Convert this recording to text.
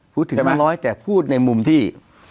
พูดถึง๕๐๐แต่พูดในมุมที่